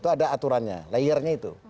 itu ada aturannya layernya itu